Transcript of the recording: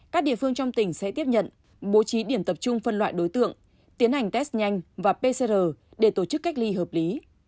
các địa phương trong tỉnh sẽ tiếp nhận bố trí điểm tập trung phân loại đối tượng tiến hành test nhanh và pcr để tổ chức cách ly hợp lý